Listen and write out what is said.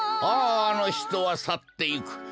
あああのひとはさっていく。